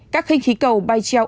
các khinh khí cầu bay treo